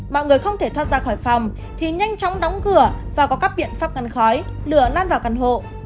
mọi người không thể thoát ra khỏi phòng thì nhanh chóng đóng cửa và có các biện pháp ngăn khói lửa lan vào căn hộ